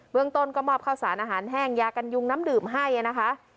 เรื่องต้นก็มอบข้าวสารอาหารแห้งยากันยุงน้ำดื่มให้นะคะ